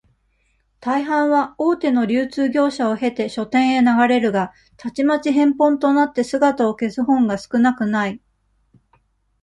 大半は、大手の流通業者をへて、書店へ流れるが、たちまち、返本となって姿を消す本が少なくない。